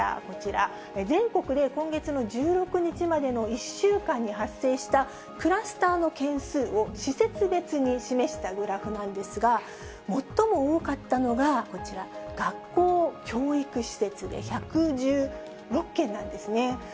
こちら、全国で今月の１６日までの１週間に発生したクラスターの件数を施設別に示したグラフなんですが、最も多かったのがこちら、学校・教育施設で１１６件なんですね。